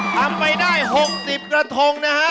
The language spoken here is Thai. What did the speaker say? ทำไปได้๖๐กระทงนะฮะ